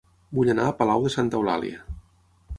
Vull anar a Palau de Santa Eulàlia